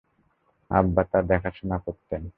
আব্বা তা দেখাশোনা করতেন।